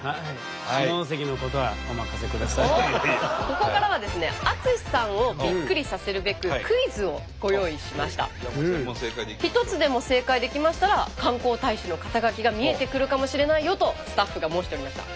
ここからはですね淳さんをビックリさせるべく１つでも正解できましたら観光大使の肩書が見えてくるかもしれないよとスタッフが申しておりました。